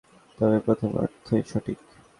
তবে প্রথম অর্থই সঠিক।